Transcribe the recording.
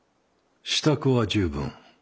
支度は十分。